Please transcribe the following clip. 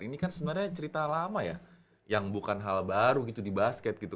ini kan sebenarnya cerita lama ya yang bukan hal baru gitu di basket gitu